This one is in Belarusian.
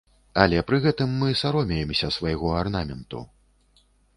Але пры гэтым мы саромеемся свайго арнаменту.